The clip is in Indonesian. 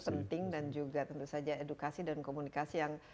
penting dan juga tentu saja edukasi dan komunikasi yang